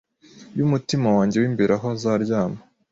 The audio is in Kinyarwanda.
yumutima wanjye wimbere aho azaryama